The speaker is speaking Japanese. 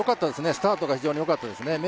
スタートが非常によかったですね。